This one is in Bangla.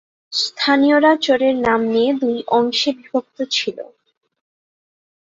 স্থানীয়রা চরের নাম নিয়ে দুই অংশে বিভক্ত ছিল।